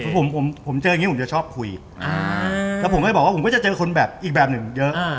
ผมผมเจออย่างนี้ผมจะชอบคุยแล้วผมก็บอกว่าผมก็จะเจอคนแบบอีกแบบหนึ่งเยอะ